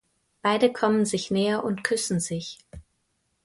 Beide kommen sich näher und küssen sich.